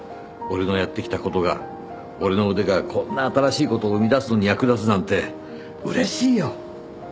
俺のやってきたことが俺の腕がこんな新しいことを生み出すのに役立つなんてうれしいよ。